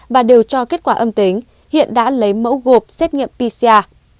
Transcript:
và đều cho kết quả âm tính hiện đã lấy mẫu gộp xét nghiệm pcr